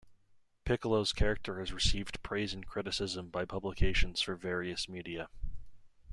Piccolo's character has received praise and criticism by publications for various media.